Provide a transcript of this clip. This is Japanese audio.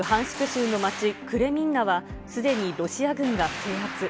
州の町、クレミンナはすでにロシア軍が制圧。